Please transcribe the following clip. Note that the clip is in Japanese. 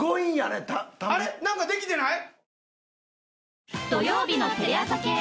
なんかできてない？